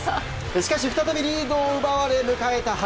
しかし再びリードを奪われ迎えた